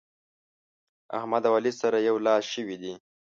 احمد او علي سره يو لاس شوي دي.